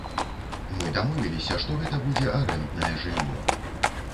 Мы дамовіліся, што гэта будзе арэнднае жыллё.